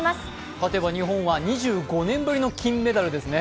勝てば日本は２５年ぶりの金メダルですね